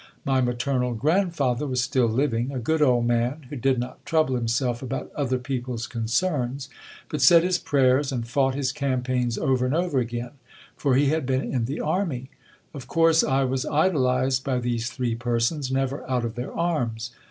My maternal grand father was still living : a good old man, who did not trouble himself about other people's concerns, but said his prayers, and fought his campaigns over and over again ; for he had been in the army. Of course I was idolized by these three persons ; never out of their arms.